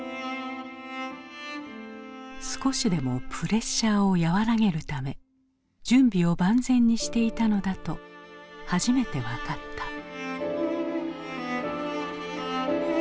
少しでもプレッシャーを和らげるため準備を万全にしていたのだと初めて分かった。